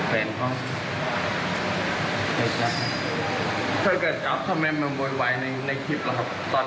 อืมคือไม่เคยได้จำนม